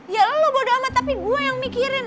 yalah lu bodo amat tapi gua yang mikirin